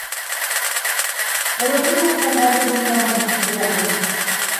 Рухи яҡтан әҙер булмаған, күрәһең.